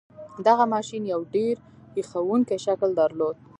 دغه ماشين يو ډېر هیښوونکی شکل درلود.